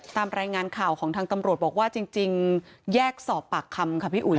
ตามรายงานข่าวของทางตำรวจบอกว่าจริงแยกสอบปากคำค่ะพี่อุ๋ย